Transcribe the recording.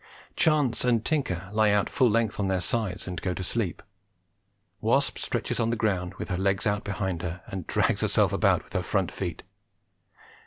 Chance and Tinker lie out full length on their sides and go to sleep. Wasp stretches on the ground, with her legs out behind her, and drags herself about with her front feet.